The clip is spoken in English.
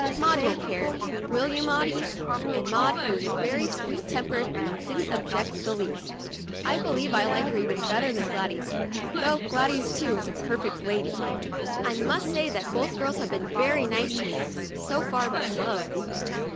Maud won't care, will you, Maudie }" And Maud, who is very sweet tempered, didn't object in the least. I believe I like her even better than Gladys, though Gladys, too, is a perfect lady. I must say that both girls have been very nice to me so far about clothes.